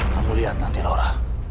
kamu lihat nanti laura